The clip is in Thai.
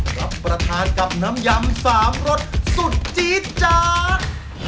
รับประทานกับน้ำยำ๓รสสุดจี๊ดจัด